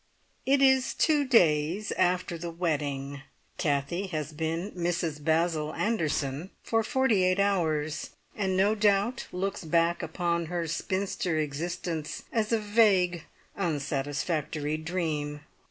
It is two days after the wedding. Kathie has been Mrs Basil Anderson for forty eight hours, and no doubt looks back upon her spinster existence as a vague, unsatisfactory dream.